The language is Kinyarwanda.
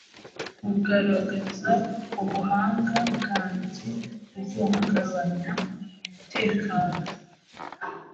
Kugaragaza ubuhanga bwanjye guhungabanya umutekano